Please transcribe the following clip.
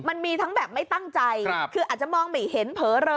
มันมีทั้งแบบไม่ตั้งใจคืออาจจะมองไม่เห็นเผลอเลอ